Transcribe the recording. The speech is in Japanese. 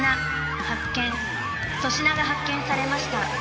粗品が発見されました。